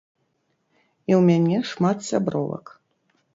І ў мяне шмат сябровак.